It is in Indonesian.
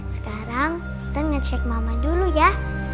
sekarang kita ngecek mama dulu ya